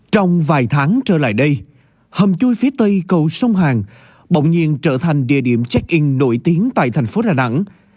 trong vài tháng trở lại đây hầm chui phía tây cầu sông hàn bỗng nhiên trở thành địa điểm check in nổi tiếng tại thành phố đà nẵng